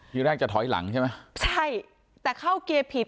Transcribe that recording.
ทีแรกจะถอยหลังใช่ไหมใช่แต่เข้าเกียร์ผิด